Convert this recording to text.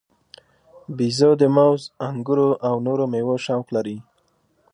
بیزو د موز، انګورو او نورو میوو شوق لري.